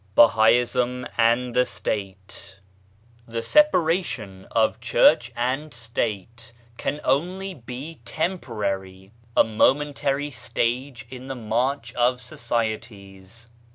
I BAHAISM AND THE STATE The separation of Church and State can only be temporary — a momentary stage in the march of societies.